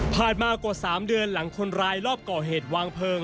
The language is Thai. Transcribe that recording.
มากว่า๓เดือนหลังคนร้ายรอบก่อเหตุวางเพลิง